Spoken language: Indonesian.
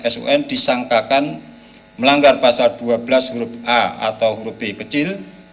sun disangkakan melanggar pasal dua belas huruf a atau huruf b kecil